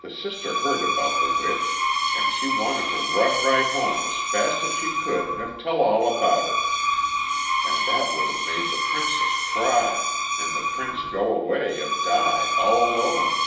The sister heard about the witch, and she wanted to run right home as fast as she could, and tell all about it. And that would have made the princess cry, and the prince go away and die, all alone."